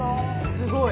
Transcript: すごい。